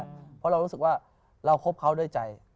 เพราะเรารู้สึกว่าเราคบเขาด้วยใจ